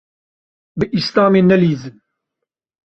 Bi Îslamê nelîzin.